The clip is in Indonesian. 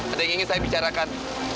ada yang ingin saya bicarakan